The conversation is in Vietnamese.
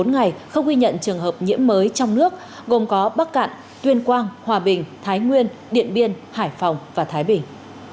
bốn ngày không ghi nhận trường hợp nhiễm mới trong nước gồm có bắc cạn tuyên quang hòa bình thái nguyên điện biên hải phòng và thái bình